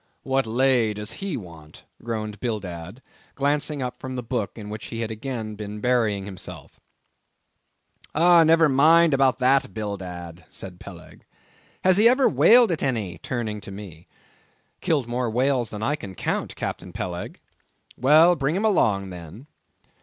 "What lay does he want?" groaned Bildad, glancing up from the book in which he had again been burying himself. "Oh! never thee mind about that, Bildad," said Peleg. "Has he ever whaled it any?" turning to me. "Killed more whales than I can count, Captain Peleg." "Well, bring him along then."